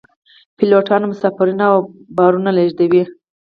پیلوټان مسافرین او بارونه لیږدوي